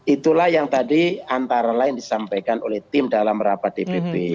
itulah yang tadi antara lain disampaikan oleh tim dalam rapat dpp